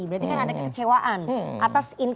berarti kan ada kecewaan